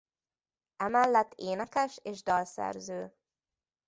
Emellett énekes és dalszerző.